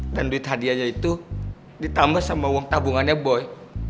dan duit hadiahnya itu ditambah sama uang tabungannya boy